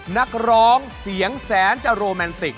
นักร้องเสียงแสนจะโรแมนติก